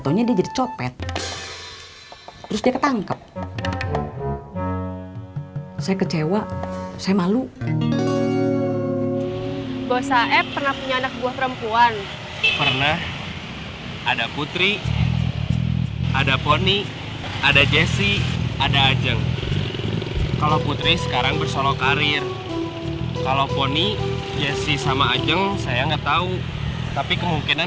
bos saya pernah punya anak buah perempuan pernah ada putri ada poni ada jesse ada ajeng kalau putri sekarang bersolokara dengan anak buah perempuan